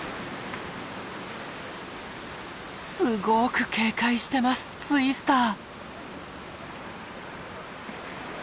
すごく警戒してますツイスター。